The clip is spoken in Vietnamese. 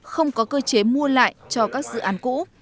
không có cơ chế mua lại cho các dự án cũ